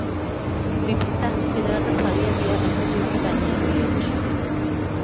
বিপিন তাহাকে কেদারাটা ছাড়িয়া দিয়া একটা চৌকি টানিয়া লইয়া বসিল।